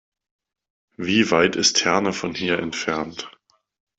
Wie weit ist Herne von hier entfernt?